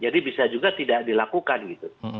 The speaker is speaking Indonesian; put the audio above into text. jadi bisa juga tidak dilakukan gitu